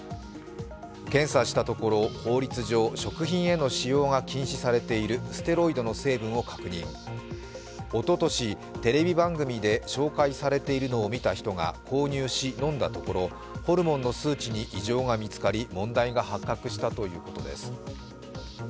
検査をしたところ法律上、食品へのしようが禁止されているステロイドの成分を確認、おととしテレビ番組で紹介されているのを見た人が購入し飲んだところホルモンの数値に異常が見つかり、問題が発覚したということです。